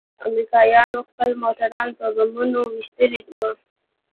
امريکايانوخپل موټران په بمونو ويشتلي وو.